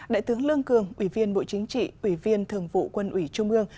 đại tướng lương cường ủy viên bộ chính trị ủy viên thường vụ quân ủy trung ương